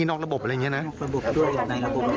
นอกระบบด้วยแบบนี้แหละ